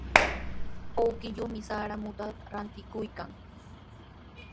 Awkilluumi sara mututa rantikuykan.